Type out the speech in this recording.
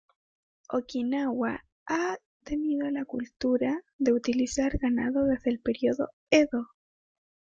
Okinawa ha tenido la cultura de utilizar ganado desde el Periodo Edo.